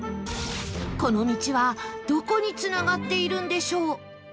この道はどこにつながっているんでしょう？